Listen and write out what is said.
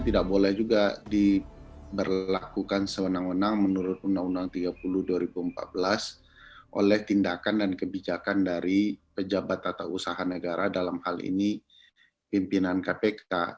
tidak boleh juga diberlakukan sewenang wenang menurut undang undang tiga puluh dua ribu empat belas oleh tindakan dan kebijakan dari pejabat tata usaha negara dalam hal ini pimpinan kpk